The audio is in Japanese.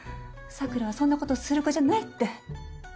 桜はそんな事する子じゃないって。